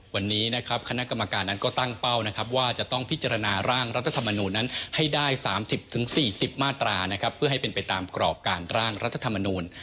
วันนี้นะครับคณะกรรมการนั้นก็ตั้งเป้านะครับว่าจะต้องพิจารณาร่างรัฐธรรมนูญนั้นให้ได้๓๐๔๐มาตรานะครับเพื่อให้เป็นไปตามกรอบการร่างรัฐธรรมนูล